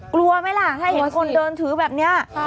กลัวไหมล่ะถ้าเห็นคนเดินถือแบบนี้